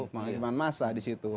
penghakiman masa di situ